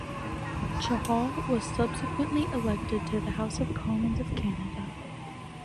Chahal was subsequently elected to the House of Commons of Canada.